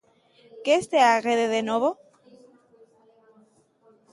Que estea Guede de novo?